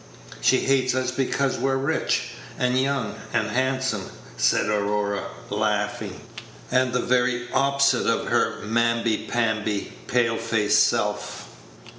She hates us because we're rich, and young, and handsome," said Aurora, laughing, "and the very opposite of her namby pamby, pale faced self."